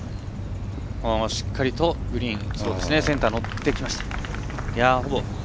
しっかりとグリーン、乗ってきました。